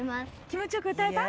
気持ち良く歌えた？